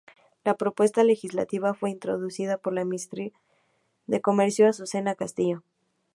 La propuesta legislativa fue introducida por la ministra de comercio, Azucena Castillo.